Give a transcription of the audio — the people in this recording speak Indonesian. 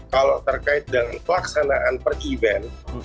kalau terkait dengan pelaksanaan per event